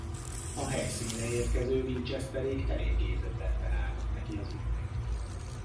A helyszínre érkező Winchesterék eléggé döbbenten állnak neki az ügynek.